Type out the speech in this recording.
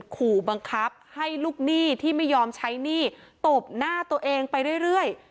ขู่บังคับให้ลูกหนี้ที่ไม่ยอมใช้หนี้ตบหน้าตัวเองไปเรื่อย